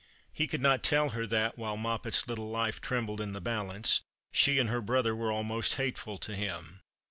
He conld not tell her that, while ]\Ioppet's little life trembled in the balance, she and her brother were almost hateful to him.